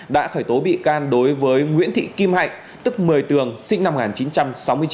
đã khởi tố bị can đối với nguyễn thị kim hạnh tức một mươi tường sinh năm một nghìn chín trăm sáu mươi chín